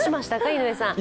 井上さん。